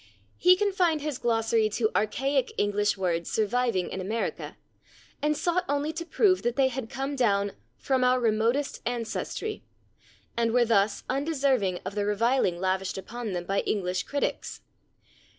He confined his glossary to archaic English words surviving in America, and sought only to prove that they had come down "from our remotest ancestry" and were thus undeserving of the reviling [Pg032] lavished upon them by English critics.